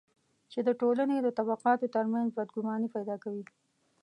چې د ټولنې د طبقاتو ترمنځ بدګماني پیدا کوي.